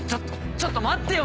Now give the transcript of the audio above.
ちょっと待ってよ！